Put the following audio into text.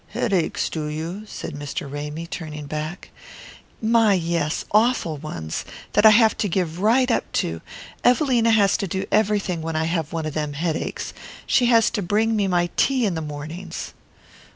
"Headaches, do you?" said Mr. Ramy, turning back. "My, yes, awful ones, that I have to give right up to. Evelina has to do everything when I have one of them headaches. She has to bring me my tea in the mornings."